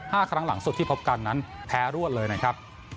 ครั้งหลังสุดที่พบกันนั้นแพ้รวดเลยนะครับ